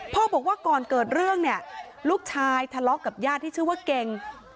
บอกว่าก่อนเกิดเรื่องเนี่ยลูกชายทะเลาะกับญาติที่ชื่อว่าเก่ง